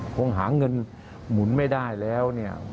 คงหาเงินหมุนไม่ได้แล้วเนี่ย